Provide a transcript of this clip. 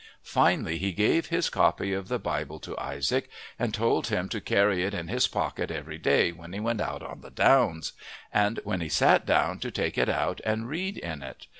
Finally he gave his copy of the Bible to Isaac, and told him to carry it in his pocket every day when he went out on the downs, and when he sat down to take it out and read in it.